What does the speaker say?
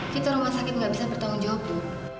kita rumah sakit gak bisa bertanggung jawab bu